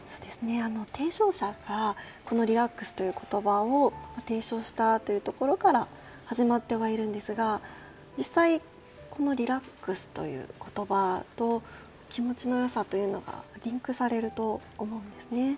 提唱者がリラックスという言葉を提唱したというところから始まってはいるんですが実際このリラックスという言葉と気持ちの良さというのがリンクされると思うんですよね。